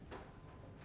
tentang apa yang terjadi